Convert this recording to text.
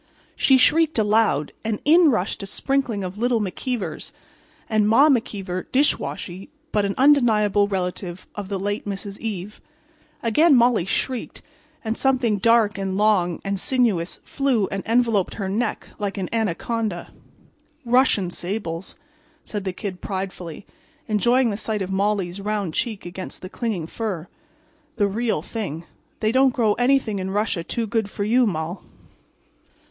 She shrieked aloud, and in rushed a sprinkling of little McKeevers, and Ma McKeever, dishwashy, but an undeniable relative of the late Mrs. Eve. Again Molly shrieked, and something dark and long and sinuous flew and enveloped her neck like an anaconda. "Russian sables," said the Kid, pridefully, enjoying the sight of Molly's round cheek against the clinging fur. "The real thing. They don't grow anything in Russia too good for you, Moll."